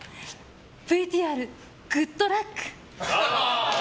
ＶＴＲ、グッドラック！